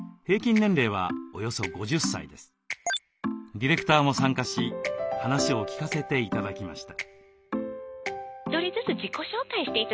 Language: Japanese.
ディレクターも参加し話を聞かせて頂きました。